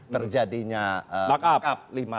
berkaitan dengan ungkapan terjadinya